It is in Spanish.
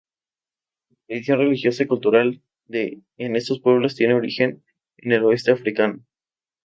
La tradición religiosa y cultural en estos pueblos tiene origen en el oeste africano.